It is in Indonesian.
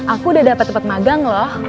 aku udah dapat tempat magang loh